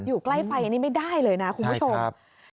อยู่ใกล้ไฟอันนี้ไม่ได้เลยนะคุณผู้ชม